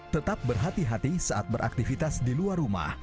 tetap berhati hati saat beraktivitas di luar rumah